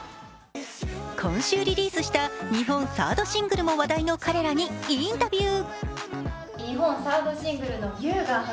今週リリースした日本サードシングルも話題の彼らにインタビュー。